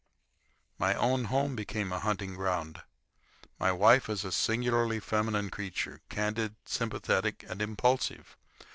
My own home became a hunting ground. My wife is a singularly feminine creature, candid, sympathetic, and impulsive.